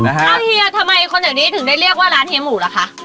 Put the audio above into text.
เอาเฮียทำไมคนแถวนี้ถึงได้เรียกว่าร้านเฮียหมูล่ะคะ